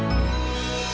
iya udah liat kemaren